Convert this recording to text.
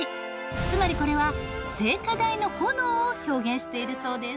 つまりこれは聖火台の炎を表現しているそうです。